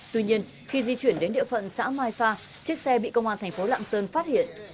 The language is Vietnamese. tuy nhiên khi di chuyển đến địa phận xã mai pha chiếc xe bị công an thành phố lạng sơn phát hiện